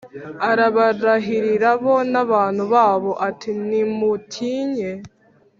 arabarahira bo n abantu babo ati Ntimutinye